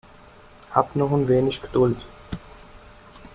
Habt noch ein wenig Geduld.